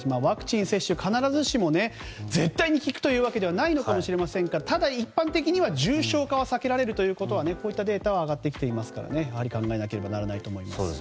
ワクチン接種、必ずしも絶対に効くというわけではないのかもしれませんがただ、一般的には重症化は避けられるというデータは上がってきていますから考えなければいけないと思います。